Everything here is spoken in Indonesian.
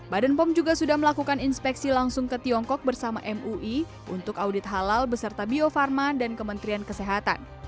badan pom juga sudah melakukan inspeksi langsung ke tiongkok bersama mui untuk audit halal beserta bio farma dan kementerian kesehatan